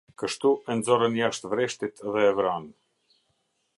Kështu e nxorën jashtë vreshtit dhe e vranë.